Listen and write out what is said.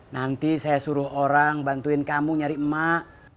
nanti saya suruh orang bantuin kamu nyari emak